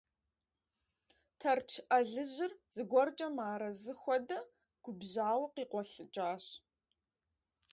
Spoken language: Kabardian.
Тэрч Ӏэлыжьыр, зыгуэркӀэ мыарэзы хуэдэ, губжьауэ къикъуэлъыкӀащ…